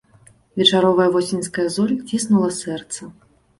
Вечаровая восеньская золь ціснула сэрца.